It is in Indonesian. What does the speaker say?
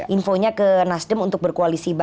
infonya ke nasdem untuk berkoalisi